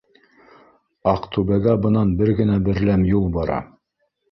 Аҡтүбәгә бынан бер генә берләм юл бара